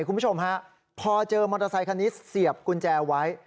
คุณผู้ชมฮะพอเจอมอเตอร์ไซคันนี้เสียบกุญแจไว้